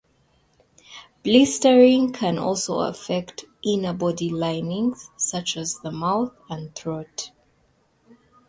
Blistering can also affect inner body linings, such as the mouth and throat.